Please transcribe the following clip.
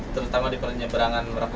terutama di pernyeberangan